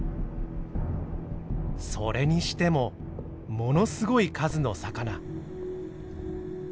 それにしてもものすごい数の魚。